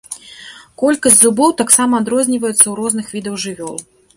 Колькасць зубоў таксама адрозніваецца ў розных відаў жывёл.